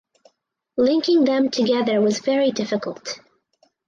Linking them together was very difficult.